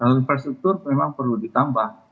jadi infrastruktur memang perlu ditambah